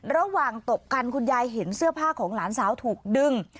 ตบกันคุณยายเห็นเสื้อผ้าของหลานสาวถูกดึง